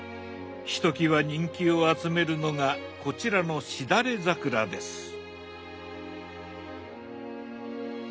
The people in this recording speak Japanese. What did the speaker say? ひときわ人気を集めるのがこちらのしだれ桜です。